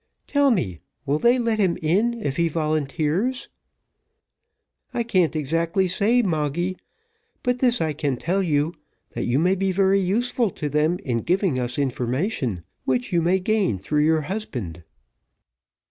Tell me, will they let him in, if he volunteers." "I can't exactly say, Moggy; but this I can tell you, that you may be very useful to them in giving us information, which you may gain through your husband."